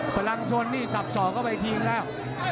พลังชนนี่สับสอกเข้าไปทิ้งแล้ว